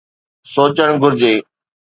سوچڻ گهرجي.